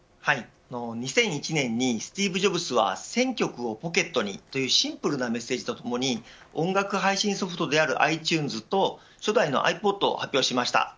２００１年にスティーブ・ジョブスは１０００曲をポケットに、というシンプルなメッセージとともに音楽配信ソフトであるｉＴｕｎｅｓと初代のｉＰｏｄを発表しました。